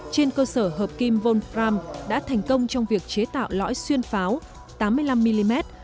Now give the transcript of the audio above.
trên cơ sở hợp kim volfram đã thành công trong việc chế tạo lõi xuyên pháo tám mươi năm mm